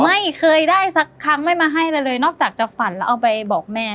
ไม่เคยได้สักครั้งไม่มาให้เราเลยนอกจากจะฝันแล้วเอาไปบอกแม่